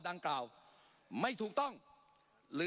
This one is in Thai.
ปรับไปเท่าไหร่ทราบไหมครับ